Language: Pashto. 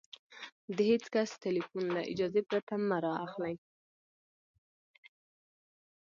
د هېڅ کس ټلیفون له اجازې پرته مه را اخلئ!